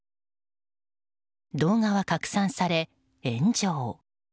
動画は拡散され、炎上。